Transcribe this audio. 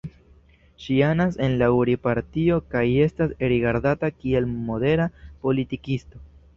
Ŝi anas en la Uri-Partio kaj estas rigardata kiel modera politikisto.